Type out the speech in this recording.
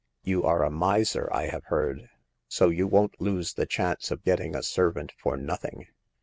"You are a miser, I have heard ; so you won't lose the chance of getting a servant for nothing."